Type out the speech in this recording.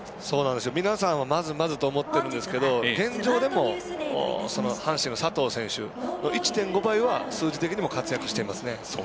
皆さん、まずまずと思っているんですが現状でも、阪神の佐藤選手の１．５倍は数字的にも活躍してますね。